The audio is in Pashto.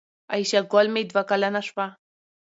عایشه ګل مې دوه کلنه شو